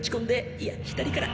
いや左から。